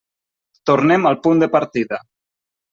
Tornem al punt de partida.